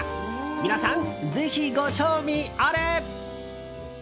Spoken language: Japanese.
皆さん、ぜひご賞味あれ！